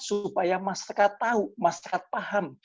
supaya masyarakat tahu masyarakat paham